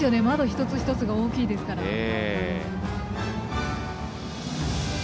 窓、一つ一つが大きいですから。